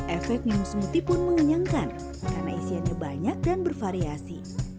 efek minum smoothie pun mengenyangkan karena isiannya banyak dan bervariasi